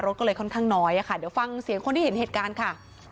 รถก็เลยค่อนข้างน้อยอะค่ะเดี๋ยวฟังเสียงคนที่เห็นเหตุการณ์ค่ะ